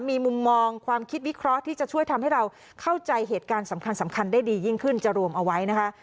มีมุมมองความคิดวิเคราะห์ที่จะช่วยทำให้เราเข้าใจเหตุการณ์สำคัญได้ดียิ่งขึ้นจะรวมเอาไว้นะคะ